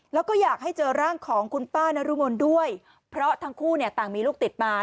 แล้วก็อยากให้เจอร่างของคุณป้านรุมลด้วยเพราะทั้งคู่เนี่ยต่างมีลูกติดมา